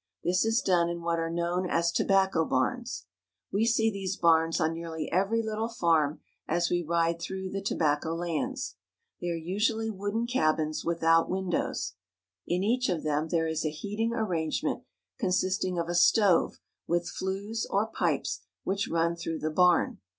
This is done in what are known as tobacco barns. We see these barns on nearly every little farm as we ride through the tobacco lands. They are usually wooden cabins without windov/s. In each of them there is a heat ing arrangement consisting of a stove with flues or pipes which run through the barn.